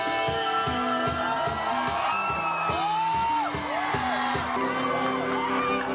ดูอย่างนั้นครับศิลปกรณ์ใช่ไหมครับ